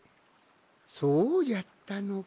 そうじゃったのか。